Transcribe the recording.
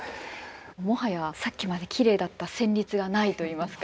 もはやさっきまできれいだった旋律がないといいますか。